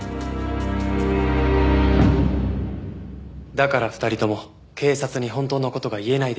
だから２人とも警察に本当の事が言えないでいたんです。